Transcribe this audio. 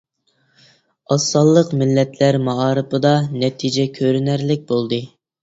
ئاز سانلىق مىللەتلەر مائارىپىدا نەتىجە كۆرۈنەرلىك بولدى.